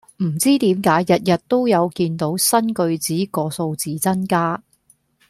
唔知點解日日都有見到新句子個數字增加